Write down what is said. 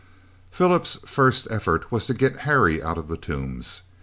Philip's first effort was to get Harry out of the Tombs.